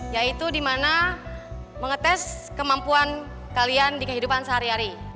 yaitu dimana mengetes kemampuan kalian di kehidupan sehari hari